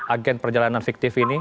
agen perjalanan fiktif ini